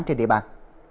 trên địa bàn